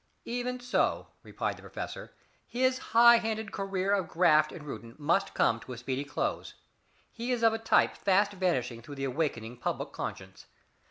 "Even so," replied the professor, "his high handed career of graft in Reuton must come to a speedy close. He is of a type fast vanishing through the awakening public conscience.